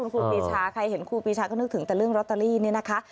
ครูปีชาใครเห็นครูปีชาก็นึกถึงแต่เรื่องลอตเตอรี่เนี่ยนะคะ